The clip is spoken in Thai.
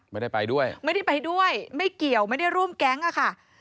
ไม่ได้ไปด้วยไม่ได้ไปด้วยไม่เกี่ยวไม่ได้ร่วมแก๊งอะค่ะ